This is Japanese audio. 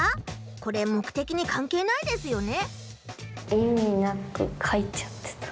これ目的にかんけいないですよね。